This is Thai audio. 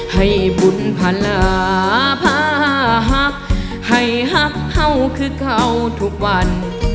ให้บุญภาระพาหักให้หักเห่าคือเขาทุกวัน